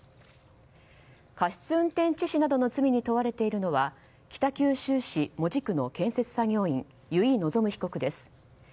過失運転致死などの罪に問われているのは北九州市門司区の建設作業員由井希被告です。